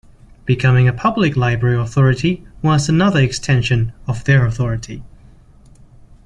Becoming a public library authority was another extension of their authority.